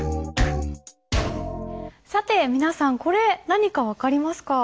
さて皆さんこれ何か分かりますか？